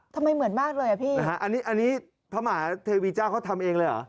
ทำไมเหมือนมากเลยอ่ะพี่นะฮะอันนี้อันนี้พระมหาเทวีเจ้าเขาทำเองเลยเหรอ